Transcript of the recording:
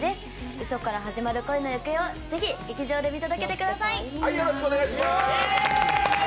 うそから始まる恋の行方をぜひ劇場で見届けてください。